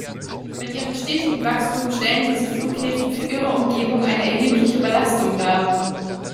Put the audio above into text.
Mit ihrem stetigen Wachstum stellen diese Flughäfen für ihre Umgebung eine erhebliche Belastung dar.